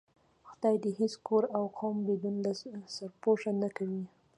خدا دې هېڅ کور او قوم بدون له سرپوښه نه کوي.